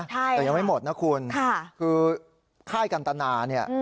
แต่ยังไม่หมดนะคุณคือค่ายกันตนาเนี่ย